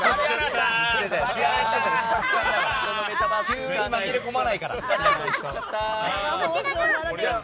急に紛れ込まないから。